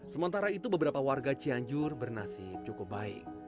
sementara itu beberapa warga cianjur bernasib cukup baik